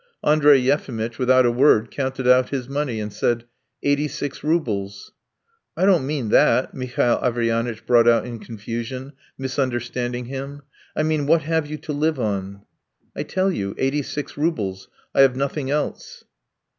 Andrey Yefimitch, without a word, counted out his money and said: "Eighty six roubles." "I don't mean that," Mihail Averyanitch brought out in confusion, misunderstanding him; "I mean, what have you to live on?" "I tell you, eighty six roubles ... I have nothing else."